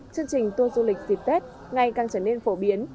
chương trình tour du lịch dịp tết ngày càng trở nên phổ biến